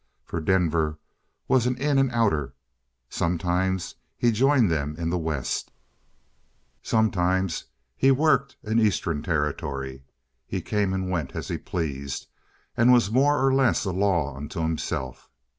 For Denver was an "in and outer." Sometimes he joined them in the West; sometimes he "worked" an Eastern territory. He came and went as he pleased, and was more or less a law to himself.